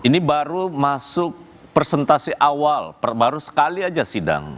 ini baru masuk presentasi awal baru sekali aja sidang